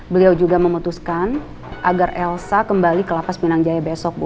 beliau juga memutuskan agar elsa kembali ke lapas minang jaya besok bu